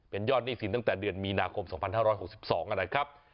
ยอดหนี้สินตั้งแต่เดือนมีนาคม๒๕๖๒นะครับ